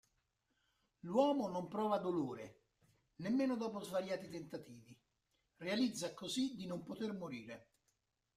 L'uomo non prova dolore, nemmeno dopo svariati tentativi: realizza così di non poter morire.